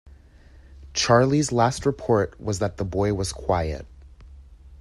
Charley's last report was that the boy was quiet.